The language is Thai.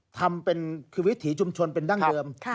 ทำเป็นคือวิถีชุมชนเป็นดั้งเดิม